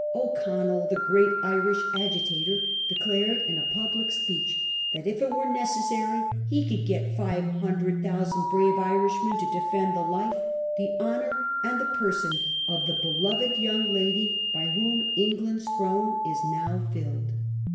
O'Connell, the great Irish agitator, declared in a public speech that if it were necessary he could get ' five hundred thou sand brave Irishmen to defend the life, the honour, and the person of the beloved young lady hy whom England's throne is now filled.